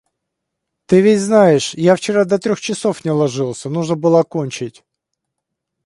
Ты ведь знаешь, я вчера до трёх часов не ложился, нужно было окончить.